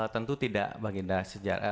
tentu tidak bang genda